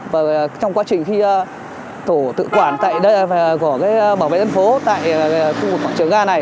và trong quá trình khi tổ tự quản tại bảo vệ dân phố tại khu vực quảng trường ra này